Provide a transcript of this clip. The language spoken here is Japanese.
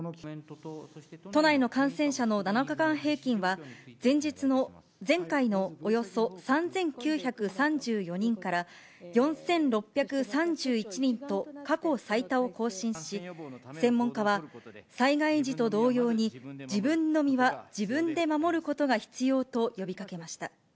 都内の感染者の７日間平均は、前回のおよそ３９３４人から、４６３１人と、過去最多を更新し、専門家は、災害時と同様に自分の身は自分で守ることが必要と呼びかけました。